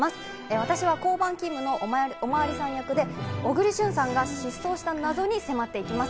私は交番勤務のお巡りさん役で、小栗旬さんが失踪した謎に迫っていきます。